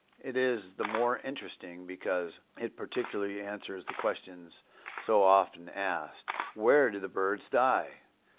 It is the more interesting because it partially answers the question so often asked, "Where do the birds die?"